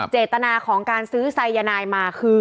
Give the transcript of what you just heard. เจตนาของการซื้อไซยานายมาคือ